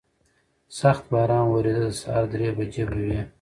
سخت باران ورېده، د سهار درې بجې به وې.